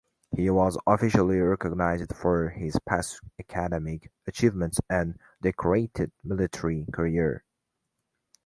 He was officially recognized for his past academic achievements and decorated military career.